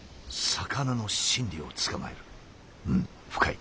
うん深い。